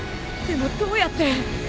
でもどうやって。